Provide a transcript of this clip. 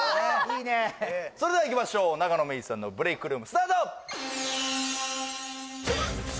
それではいきましょう永野芽郁さんのブレイクルームスタート！